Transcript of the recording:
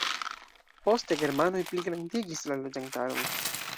Poste germanoj pligrandigis la loĝantaron.